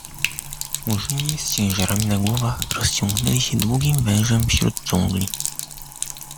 Murzyni z ciężarami na głowach rozciągnęli się długim wężem wśród dżungli.